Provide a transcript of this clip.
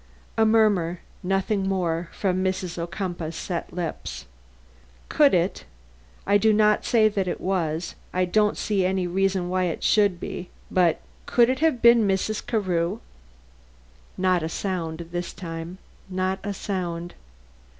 A murmur, nothing more, from Mrs. Ocumpaugh's set lips. "Could it I do not say that it was I don't see any reason why it should be but could it have been Mrs. Carew?" Not a sound this time, not a sound.